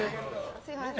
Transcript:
すいません。